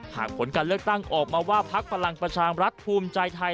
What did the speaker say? ผลการเลือกตั้งออกมาว่าพักพลังประชามรัฐภูมิใจไทย